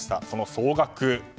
その総額